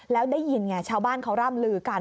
แล้วได้ยินไงชาวบ้านเขาร่ำลือกัน